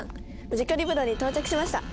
ムジカリブロに到着しました。